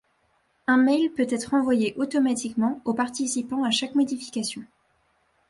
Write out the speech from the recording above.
Un mail peut-être envoyé automatiquement aux participants à chaque modification.